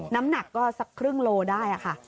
น้ำหนักก็สักครึ่งโลได้ค่ะ